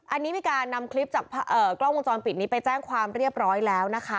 อันนี้มีการนำคลิปจากกล้องวงจรปิดนี้ไปแจ้งความเรียบร้อยแล้วนะคะ